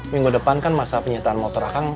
minggu depan kan masa penyitaan motor akang